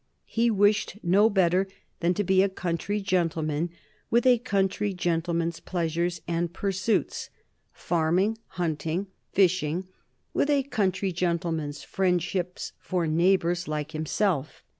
He wished no better than to be a country gentleman, with a country gentleman's pleasures and pursuits farming, hunting, fishing with a country gentleman's friendships for neighbors like himself.